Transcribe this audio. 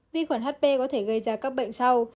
vi khuẩn hp có thể gây ra các bệnh sau